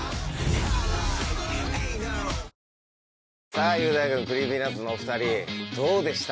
さぁ雄大君ＣｒｅｅｐｙＮｕｔｓのお２人どうでした？